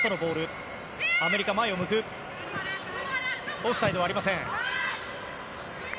オフサイドはありません。